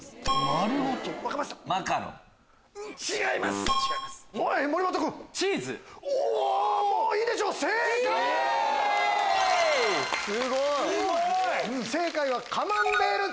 すごい！